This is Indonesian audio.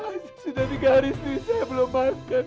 saya sudah tiga hari setelah saya melepaskan